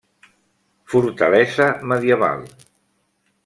Fortalesa medieval.